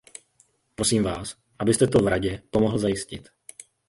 Prosím vás, abyste to v Radě pomohl zajistit.